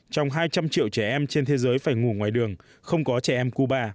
trong hai trăm linh triệu trẻ em trên thế giới phải ngủ ngoài đường không có trẻ em cuba